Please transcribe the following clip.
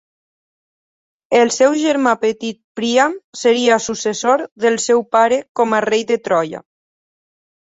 El seu germà petit Príam seria successor del seu pare com a rei de Troia.